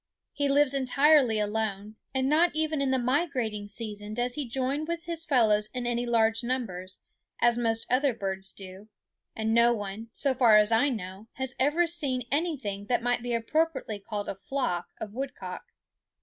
He lives entirely alone, and not even in the migrating season does he join with his fellows in any large numbers, as most other birds do; and no one, so far as I know, has ever seen anything that might be appropriately called a flock of woodcock.